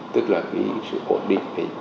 tức là sự ổn định